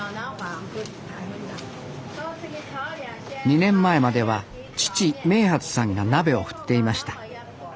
２年前までは父明發さんが鍋を振っていました。